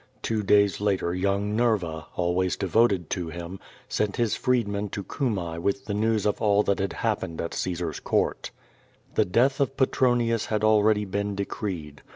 Two days later young Nerva, always devoted to him, sent his freedman to Cumae with the news of all that had happened at Caesar's court. The death of Petronius had already been decreed.